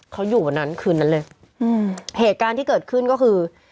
เขาอยู่วันนั้นคืนนั้นเลยอืมเหตุการณ์ที่เกิดขึ้นก็คือ